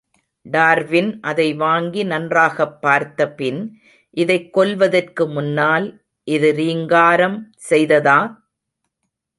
Darwin அதை வாங்கி நன்றாகப் பார்த்தபின் இதைக் கொல்வதற்கு முன்னால், இது ரீங்காரம் செய்ததா?